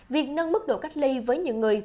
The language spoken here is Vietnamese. việc nâng mức độ cách ly với những người